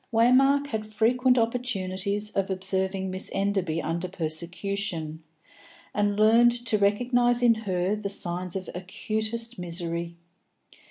Waymark had frequent opportunities of observing Miss Enderby under persecution, and learned to recognise in her the signs of acutest misery.